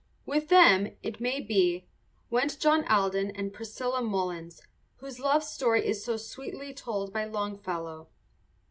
With them, it may be, went John Alden and Priscilla Mullins, whose love story is so sweetly told by Longfellow.